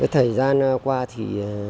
thời gian qua thì